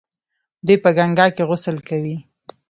دوی په ګنګا کې غسل کوي.